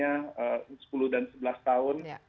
anak saya usianya sepuluh dan sebelas tahun